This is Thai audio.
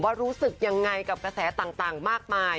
รู้สึกยังไงกับกระแสต่างมากมาย